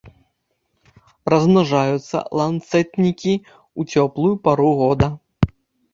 Размнажаюцца ланцэтнікі ў цёплую пару года.